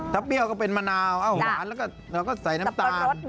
ถ้าเปรี้ยวก็เป็นมะนาวหวานแล้วก็เราก็ใส่น้ำตาล